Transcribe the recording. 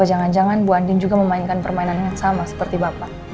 jangan jangan bu andin juga memainkan permainan yang sama seperti bapak